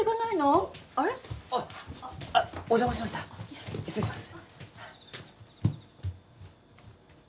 あっお邪魔しました失礼します。